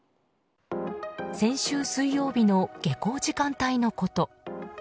先週水曜日の下校時間帯のこと。